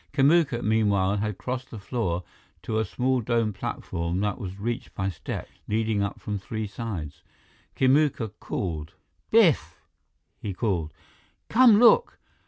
Kamuka, meanwhile, had crossed the floor to a small domed platform that was reached by steps leading up from three sides. Kamuka called: "Biff," he called. "Come look!